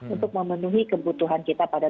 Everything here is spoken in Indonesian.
untuk memenuhi kebutuhan kita pada